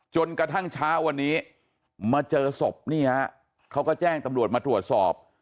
จนกระทั่งเช้าวันนี้มาเจอศพนี่ฮะเขาก็แจ้งตำรวจมาตรวจสอบ